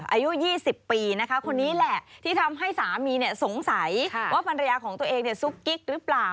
อายุ๒๐ปีนะคะคนนี้แหละที่ทำให้สามีสงสัยว่าภรรยาของตัวเองซุกกิ๊กหรือเปล่า